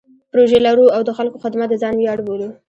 پروژې لرو او د خلکو خدمت د ځان ویاړ بولو.